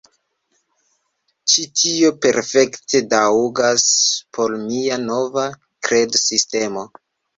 Ĉi tio perfekte taŭgas por mia nova kredsistemo